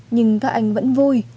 nhưng các anh vẫn vui